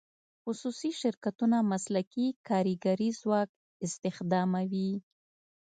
خصوصي شرکتونه مسلکي کارګري ځواک استخداموي.